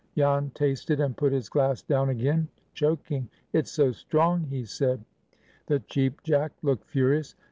Jan tasted, and put his glass down again, choking. "It's so strong!" he said. The Cheap Jack looked furious.